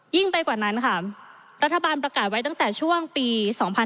ไปกว่านั้นค่ะรัฐบาลประกาศไว้ตั้งแต่ช่วงปี๒๕๕๙